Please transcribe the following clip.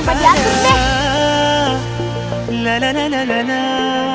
pokoknya tanpa diatur deh